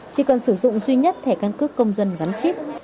chỉ cần sử dụng duy nhất thẻ căn cước công dân gắn chip